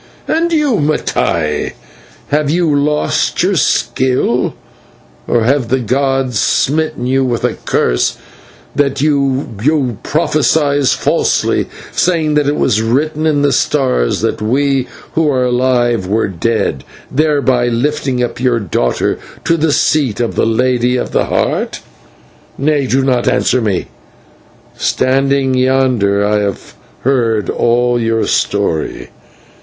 And you, Mattai, have you lost your skill, or have the gods smitten you with a curse, that you prophesy falsely, saying that it was written in the stars that we who are alive were dead, thereby lifting up your daughter to the seat of the Lady of the Heart. Nay, do not answer me. Standing yonder I have heard all your story.